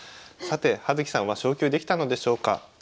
さて葉月さんは昇級できたのでしょうか。